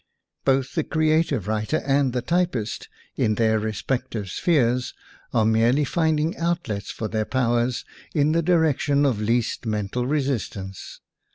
Both the creative writer and the typist, in their respective spheres, are merely finding outlets for their powers in the direc tion of least mental resistance.